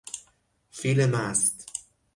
فیل مست